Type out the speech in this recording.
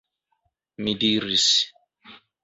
Mi diris.